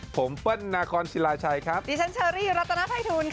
ผมเปิ้ลนาคอนศิลาชัยครับดิฉันเชอรี่รัตนภัยทูลค่ะ